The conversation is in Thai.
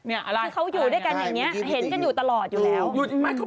คือเขาอยู่ด้วยกันอย่างนี้เห็นกันอยู่ตลอดอยู่แล้ว